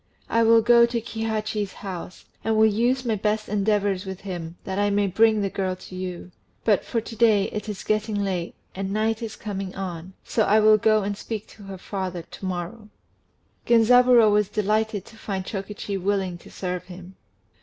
I will go to Kihachi's house, and will use my best endeavours with him that I may bring the girl to you. But for to day, it is getting late, and night is coming on; so I will go and speak to her father to morrow." Genzaburô was delighted to find Chokichi willing to serve him.